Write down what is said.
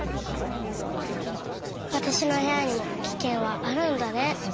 わたしのへやにもキケンはあるんだね。